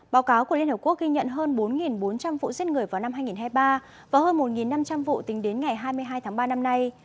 báo cáo của liên hợp quốc ghi nhận hơn bốn bốn trăm linh vụ giết người vào năm hai nghìn hai mươi ba và hơn một năm trăm linh vụ tính đến ngày hai mươi hai tháng ba năm nay